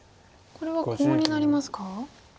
これはコウになりますか？